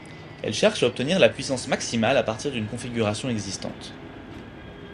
Elle cherche à obtenir la puissance maximale à partir d'une configuration existante.